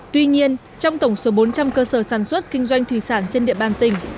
tuy nhiên trong tổng số bốn trăm linh cơ sở sản xuất kinh doanh thủy sản trên địa bàn tỉnh